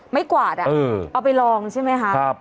ไม้กวาดอ่ะเอาไปลองใช่ไหมคะ